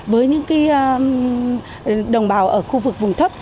với những đồng bào ở khu vực vùng thấp